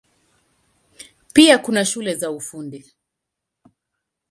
Pia kuna shule za Ufundi.